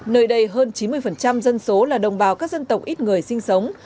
nơi đây hơn chín mươi dân số là đồng bào các dân tộc ít người sinh sống